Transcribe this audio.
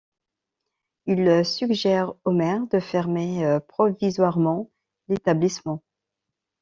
Il suggère au maire de faire fermer provisoirement l'établissement.